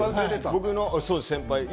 僕の先輩。